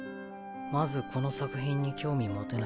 まずこの作品に興味持てない。